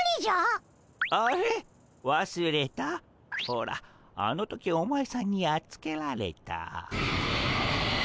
ほらあの時お前さんにやっつけられた。